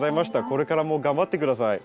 これからも頑張って下さい。